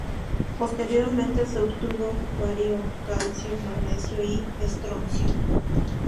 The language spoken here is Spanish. Posteriormente, se obtuvo bario, calcio, magnesio y estroncio.